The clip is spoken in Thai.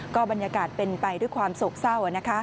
ก็บรรยากาศเป็นไปด้วยความโศกเศร้า